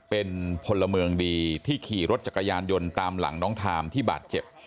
เป็นพลเมืองดีที่ขี่รถจักรยานยนต์ตามหลังน้องทามที่บาดเจ็บ